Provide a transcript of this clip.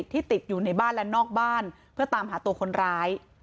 ที่ติดอยู่ในบ้านและนอกบ้านเพื่อตามหาตัวคนร้าย